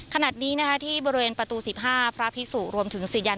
ขณะนี้นะคะที่บริเวณประตูสิบห้าพระพิสุรวมถึงสิยา